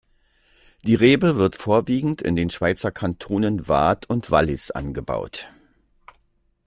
Die Rebe wird vorwiegend in den Schweizer Kantonen Waadt und Wallis angebaut.